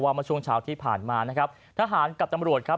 เมื่อช่วงเช้าที่ผ่านมานะครับทหารกับตำรวจครับ